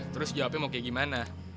terus jawabnya mau kayak gimana